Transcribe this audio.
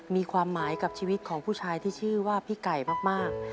มีความหมายกับชีวิตของผู้ชายที่ชื่อว่าพี่ไก่มาก